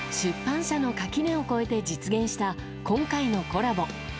出版社の垣根を超えて実現した今回のコラボ。